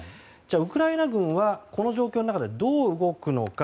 ウクライナ軍はこの状況の中でどう動くのか。